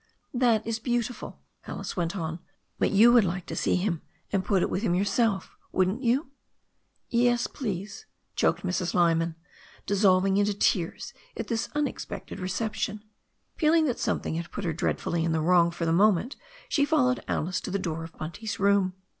"That is beautiful," Alice went on, "but you would like to see him, and put it with him yourself, wouldn't you?" "Yes, please," choked Mrs. Lyman, dissolving into tears at this unexpected reception. Feeling that something had put her dreadfully in the wrong for the moment, she fol lowed Alice to the door of Bunt/s room.